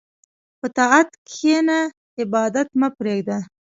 په طاعت کښېنه، عبادت مه پرېږده.